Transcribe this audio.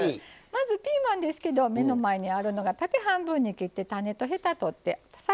まずピーマンですけど目の前にあるのが縦半分に切って種とヘタ取って更に縦半分に切ってます。